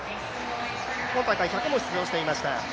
今大会１００も出場していました。